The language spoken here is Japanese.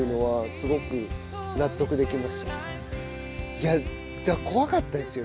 いや怖かったですよ